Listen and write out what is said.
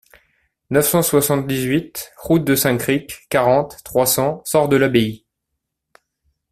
neuf cent soixante-dix-huit route de Saint-Cricq, quarante, trois cents, Sorde-l'Abbaye